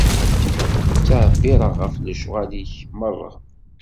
Ttɛebbiṛeɣ ɣef lecɣal-ik merra.